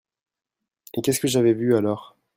Et qu'est-ce j'avais vu alors ?